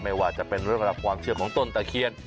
ไม่ว่าจะเป็นเรื่องราวความเชื่อของต้นตะเคียน